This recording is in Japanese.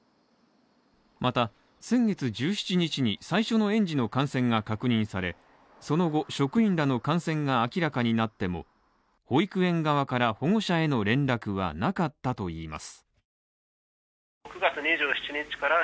また先月１７日に最初の園児の感染が確認されその後職員らの感染が明らかになっても保育園側から保護者への連絡はなかったといいます。